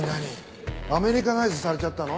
アメリカナイズされちゃったの？